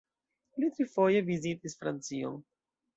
Li trifoje vizitis Francion.